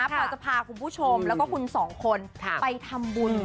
พอจะพาคุณผู้ชมแล้วก็คุณสองคนไปทำบุญ